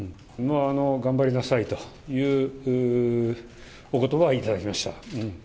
頑張りなさいというおことばは頂きました。